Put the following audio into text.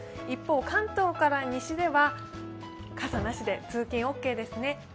一方、関東から西では傘なしで通勤オーケーですね。